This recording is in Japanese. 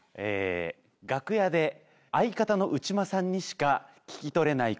楽屋で相方の内間さんにしか聞き取れない